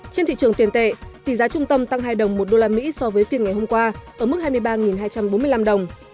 trên thị trường tiền tệ tỷ giá trung tâm tăng hai đồng một đô la mỹ so với phiên ngày hôm qua ở mức hai mươi ba hai trăm bốn mươi năm đồng